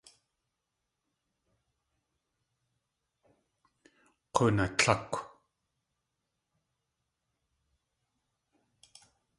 K̲oon atlákw!